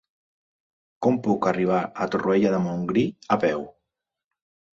Com puc arribar a Torroella de Montgrí a peu?